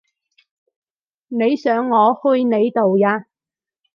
你想我去你度呀？